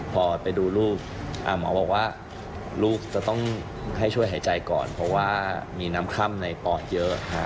พอไปดูลูกหมอบอกว่าลูกจะต้องให้ช่วยหายใจก่อนเพราะว่ามีน้ำคล่ำในปอดเยอะ